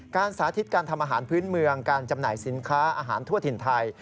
สาธิตการทำอาหารพื้นเมืองการจำหน่ายสินค้าอาหารทั่วถิ่นไทย